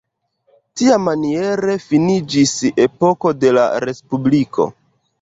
Tiamaniere finiĝis epoko de la respubliko.